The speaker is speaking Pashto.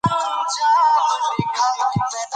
ښوونکي باید هېڅکله خفه نه سي.